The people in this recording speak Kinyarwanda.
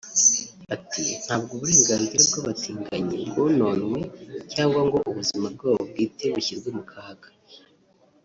Ati “ Ntabwo uburenganzira bw’abatinganyi bwononwe cyangwa ngo ubuzima bwabo bwite bushyirwe mu kaga